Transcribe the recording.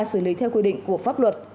xử lý theo quy định của pháp luật